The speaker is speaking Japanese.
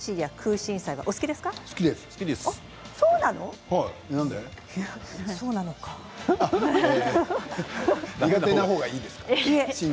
進行上、苦手なほうがいいんですか？